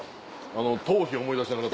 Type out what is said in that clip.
あの頭皮思い出しながら。